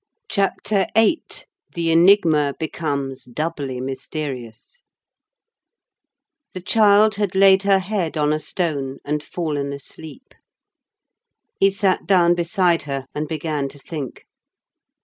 CHAPTER VIII—THE ENIGMA BECOMES DOUBLY MYSTERIOUS The child had laid her head on a stone and fallen asleep. He sat down beside her and began to think.